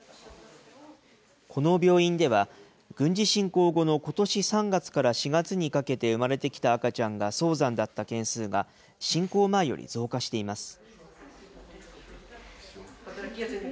この病院では、軍事侵攻後のことし３月から４月にかけて産まれてきた赤ちゃんが早産だった件数が、侵攻前より増加しています。